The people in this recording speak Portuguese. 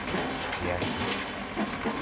ciente